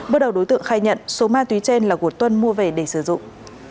bước đầu đối tượng khai nhận số ma túy trên là của tuân mua về để sử dụng